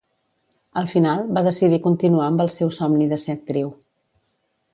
Al final, va decidir continuar amb el seu somni de ser actriu.